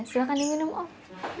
silahkan diminum om